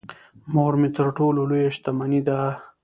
مور مې تر ټولو لويه شتمنی ده .